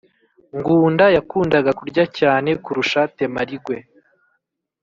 Ngunda yakundaga kurya cyane kurusha temarigwe